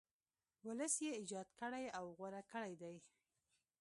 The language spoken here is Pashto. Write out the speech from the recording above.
ولس یې ایجاد کړی او غوره کړی دی.